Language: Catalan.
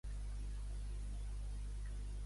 A tu també t'ho ha contat el rector, eh veïna?